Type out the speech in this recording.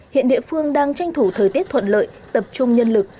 hiện địa phương đang tranh thủ thời tiết thuận lợi tập trung nhân lực